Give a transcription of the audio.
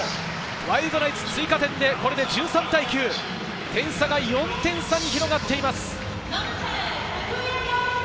ワイルドナイツ、追加点で１３対９、点差が４点差に広がっています。